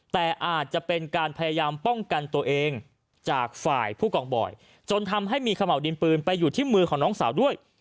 แต่อาจจะเป็นการพยายามป้องกันตัวเองจากฝ่ายผู้กองบอยจนทำให้มีขม่าวดินปืนไปอยู่ที่มือของน้องสาวด้วย